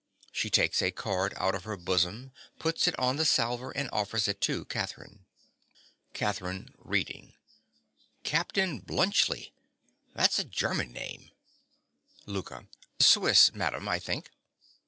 (She takes a card out of her bosom; puts it on the salver and offers it to Catherine.) CATHERINE. (reading). "Captain Bluntschli!" That's a German name. LOUKA. Swiss, madam, I think.